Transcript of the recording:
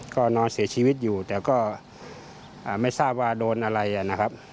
ก็นอนเสียชีวิตอยู่แต่ก็ไม่ทราบว่าโดนอะไรนะครับ